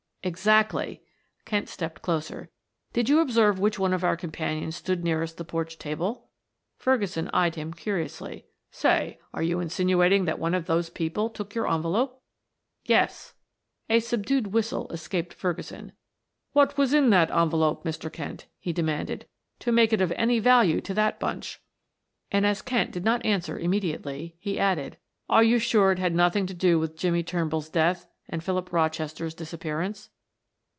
"Exactly." Kent stepped closer. "Did you observe which one of our companions stood nearest the porch table?" Ferguson eyed him curiously. "Say, are you insinuating that one of those people took your envelope?" "Yes." A subdued whistle escaped Ferguson. "What was in that envelope. Mr. Kent," he demanded, "to make it of any value to that bunch?" and as Kent did not answer immediately, he added, "Are you sure it had nothing to do with Jimmie Turnbull's death and Philip Rochester's disappearance?"